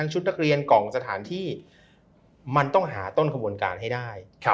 ชุดนักเรียนกล่องสถานที่มันต้องหาต้นขบวนการให้ได้